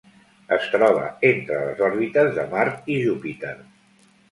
Es troba entre les òrbites de Mart i Júpiter.